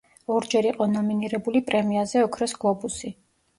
ორჯერ იყო ნომინირებული პრემიაზე „ოქროს გლობუსი“.